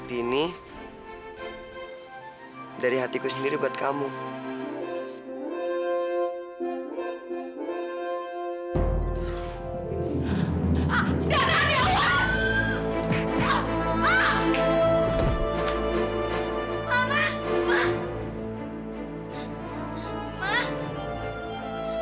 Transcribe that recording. bisa tapi kalau kamu disini itu kamu neu